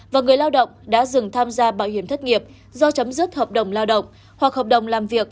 và người lao động đã dừng tham gia bảo hiểm thất nghiệp do chấm dứt hợp đồng lao động hoặc hợp đồng làm việc